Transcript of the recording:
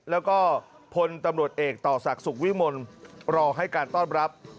แล้วก็พลตำรวจเอกต่อศักดิ์สุขวิมลรอให้การต้อนรับ